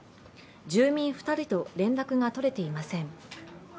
住民２人と連絡が取れていません。